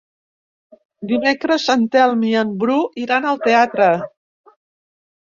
Dimecres en Telm i en Bru iran al teatre.